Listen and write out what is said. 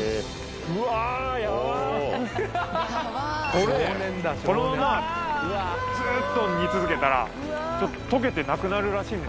これこのままずっと煮続けたら溶けてなくなるらしいんです